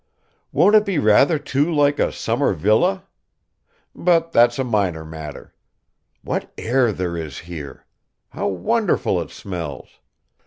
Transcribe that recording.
"Won't it be rather too like a summer villa? ... But that's a minor matter. What air there is here! How wonderful it smells.